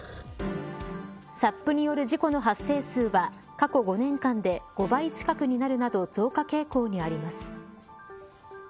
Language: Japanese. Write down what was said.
ＳＵＰによる事故の発生数は過去５年間で５倍近くになるなど増加傾向にあります。